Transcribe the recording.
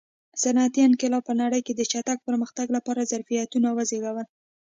صنعتي انقلاب په نړۍ کې د چټک پرمختګ لپاره ظرفیتونه وزېږول.